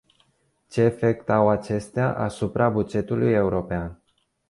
Ce efect au acestea asupra bugetului european?